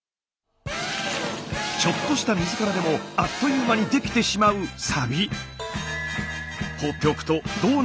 ちょっとした水からでもあっという間にできてしまうサビ。